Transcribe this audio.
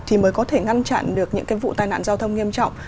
thì mới có thể ngăn chặn được những cái vụ tai nạn giao thông nghiêm trọng